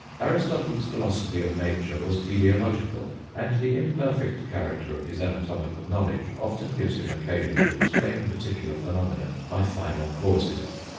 Aristotle's philosophy of nature was teleological, and the imperfect character of his anatomical knowledge often gives him occasion to explain particular phenomena by final causes.